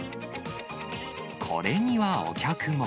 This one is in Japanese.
これにはお客も。